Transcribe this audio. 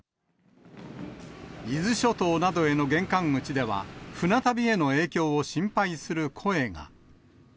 伊豆諸島などへの玄関口では、船旅への影響を心配する声が。